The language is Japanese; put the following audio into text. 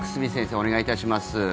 お願いいたします。